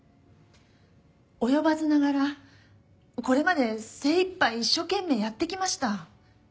及ばずながらこれまで精いっぱい一生懸命やってきました。